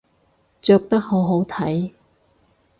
着得好好睇